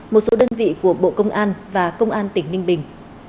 một số đơn vị của bộ công an và công an tỉnh ninh bình